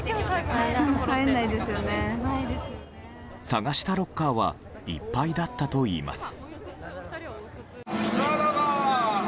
探したロッカーはいっぱいだったといいます。